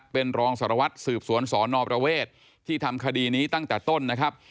เป็นรองสารวัตรสืบสวนสอนอประเวทที่ทำคดีนี้ตั้งแต่ต้นนะครับ